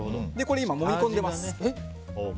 今もみ込んでます。